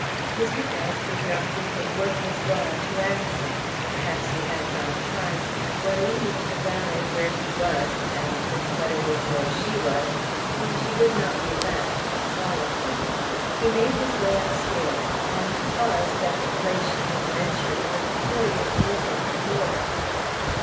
Mr. Gryce did not think it worth his while to answer. Perhaps he had not time; for leaving the valet where he was, and Miss Butterworth where she was (only she would not be left, but followed him), he made his way upstairs, and paused at the place she had mentioned, with a curious look at the floor.